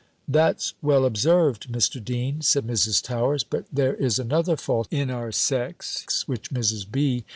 "That's well observed, Mr. Dean," said Mrs. Towers: "but there is another fault in our sex, which Mrs. B.